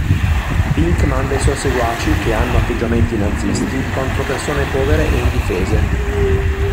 Pink manda i suoi seguaci, che hanno atteggiamenti nazisti, contro persone povere e indifese.